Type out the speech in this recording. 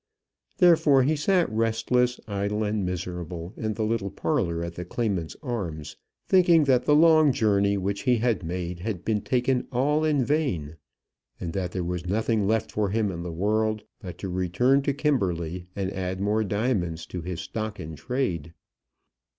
Therefore he sat restless, idle, and miserable in the little parlour at the Claimant's Arms, thinking that the long journey which he had made had been taken all in vain, and that there was nothing left for him in the world but to return to Kimberley, and add more diamonds to his stock in trade.